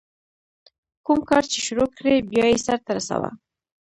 کوم کار چي شروع کړې، بیا ئې سر ته رسوه.